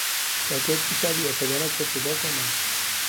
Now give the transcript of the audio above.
ساکت میشوی یا پدرت را صدا کنم!